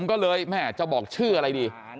ชองก็เลยจะบอกชื่ออะไรดิ